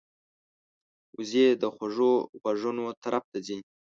وزې د خوږو غږونو طرف ته ځي